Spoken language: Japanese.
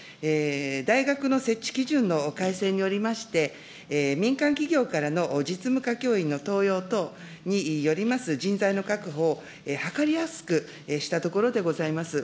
大学の設置基準の改正によりまして、民間企業からの実務家教員の登用等によります人材の確保を図りやすくしたところでございます。